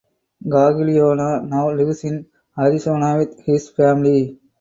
Gagliano now lives in Arizona with his family.